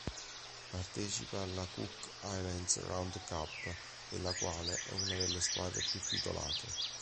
Partecipa alla Cook Islands Round Cup, della quale è una delle squadre più titolate.